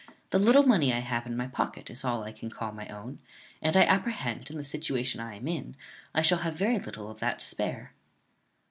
The little money I have in my pocket is all I can call my own; and I apprehend, in the situation I am in, I shall have very little of that to spare."